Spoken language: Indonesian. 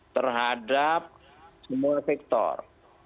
terhadap semua sektor